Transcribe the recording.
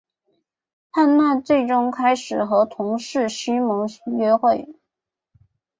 汉娜最终开始跟同事西蒙约会。